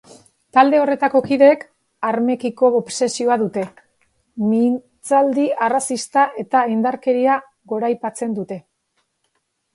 Talde honetako kideek armekiko obsesioa dute, mintzaldi arrazista eta indarkeria goraipatzen dute.